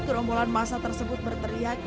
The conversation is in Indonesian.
gerombolan massa tersebut berteriak